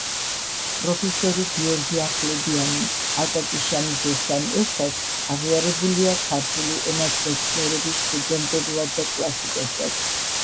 პროფესორი გიორგი ახვლედიანი, აკაკი შანიძესთან ერთად, აღიარებულია ქართული ენათმეცნიერების ფუძემდებლად და კლასიკოსად.